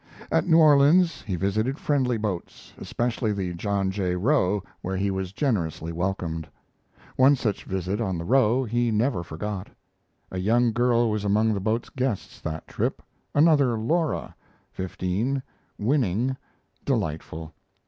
At New Orleans he visited friendly boats, especially the John J. Roe, where he was generously welcomed. One such visit on the Roe he never forgot. A young girl was among the boat's guests that trip another Laura, fifteen, winning, delightful.